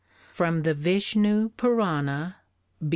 _From the Vishnu Purana.